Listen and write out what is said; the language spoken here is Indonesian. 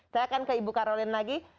saya akan ke ibu karolin lagi